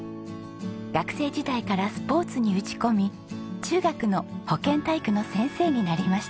学生時代からスポーツに打ち込み中学の保健体育の先生になりました。